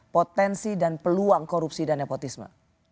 potensi dan peluang korupsi dan nepotisme